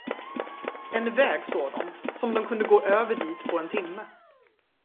En väg såg de, som de kunde gå över dit på en timme.